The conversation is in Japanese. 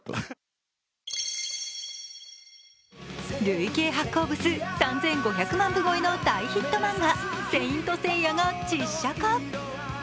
累計発行部数３５００万部超えの大ヒット漫画「聖闘士星矢」が実写化。